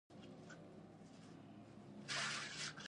ځکه د طالبانو د تیر ځل راپرځولو کې